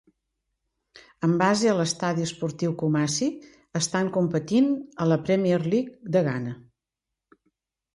Amb base a l'estadi esportiu Kumasi, estan competint a la Premier League de Ghana.